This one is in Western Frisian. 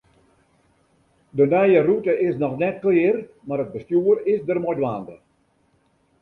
De nije rûte is noch net klear, mar it bestjoer is der mei dwaande.